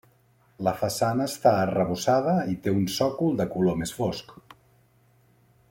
La façana està arrebossada i té un sòcol de color més fosc.